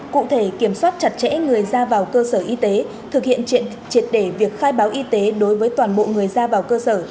cụ thể kiểm soát chặt chẽ người ra vào cơ sở y tế thực hiện triệt để việc khai báo y tế đối với toàn bộ người ra vào cơ sở